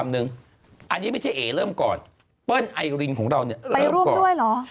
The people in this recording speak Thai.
นี่เห็นอันนี้ก็น่ากลัวแล้ว